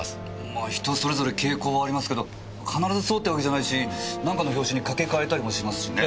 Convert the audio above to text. まぁ人それぞれ傾向はありますけど必ずそうってわけじゃないしなんかの拍子に掛け替えたりもしますしね。